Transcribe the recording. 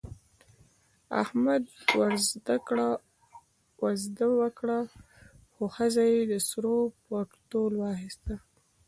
احمد وزده وکړه، خو ښځه یې د سرو په تول واخیسته.